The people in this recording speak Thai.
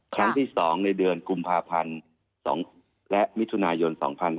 ครั้งที่๒ในเดือนกุมภาพันธ์และมิถุนายน๒๕๖๒